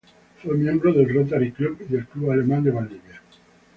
Fue miembro del Rotary Club y del Club Alemán de Valdivia.